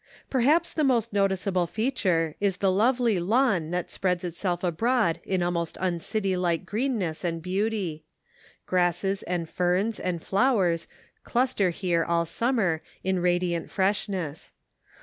Perhaps the most noticeable feature is the lovely lawn that spreads itself abroad in most uncity like greenness and beauty ; grasses and ferns and flowers cluster here all summer in radiant freshness.